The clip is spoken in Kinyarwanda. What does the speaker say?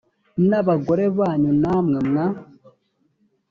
n abagore banyu namwe mwa